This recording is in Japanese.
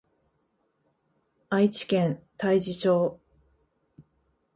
愛知県大治町